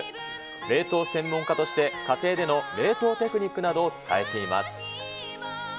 冷凍専門家として家庭での冷凍テクニックなどを伝えています。